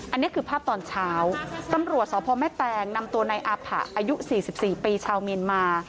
อันนี้คือภาพตอนเช้าตำรวจสพแม่แตงนำตัวนายอาผะอายุ๔๔ปีชาวเมียนมา